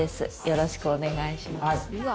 よろしくお願いします。